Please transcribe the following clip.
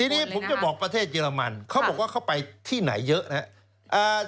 ทีนี้ผมจะบอกประเทศเยอรมันเขาบอกว่าเขาไปที่ไหนเยอะนะครับ